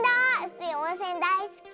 スイおんせんだいすき。